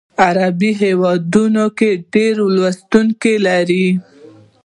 عربي هیوادونو کې ډیر لوستونکي لري.